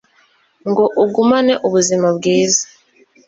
ngo ugumane ubuzima bwiza